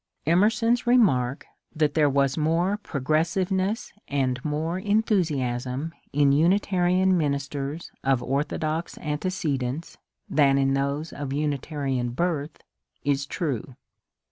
Emerson's remark, that there was more progressiveness and more enthusiasm in Unitarian ministers of orthodox ante cedents than in those of Unitarian birth, is true.